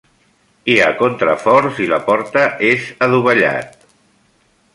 Hi ha contraforts i la porta és adovellat.